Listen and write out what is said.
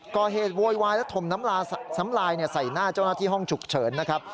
โวยวายและถมน้ำลายใส่หน้าเจ้าหน้าที่ห้องฉุกเฉินนะครับ